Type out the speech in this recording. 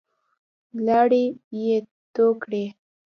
لاړې يې تو کړې.